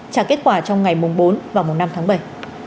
trả kết quả trong ngày một bảy